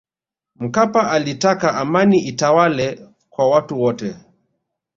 mkapa alitaka amani itawale kwa watu wote